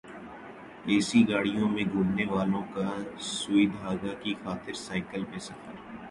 اے C گاڑیوں میں گھومنے والوں کا سوئی دھاگا کی خاطر سائیکل پر سفر